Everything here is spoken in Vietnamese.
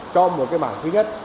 cho một cái mảng thứ nhất